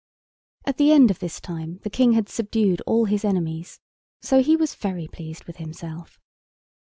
At the end of this time the King had subdued all his enemies, so he was very pleased with himself.